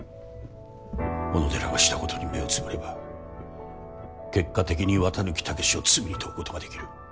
小野寺がしたことに目を瞑れば結果的に綿貫猛司を罪に問うことができる。